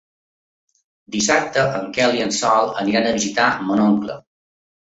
Dissabte en Quel i en Sol iran a visitar mon oncle.